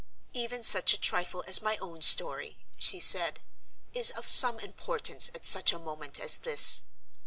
"Even such a trifle as my own story," she said, "is of some importance at such a moment as this.